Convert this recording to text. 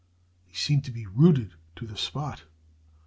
He seemed to be rooted to the spot.